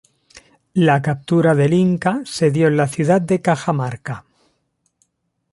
La captura del inca se dio en la ciudad de Cajamarca.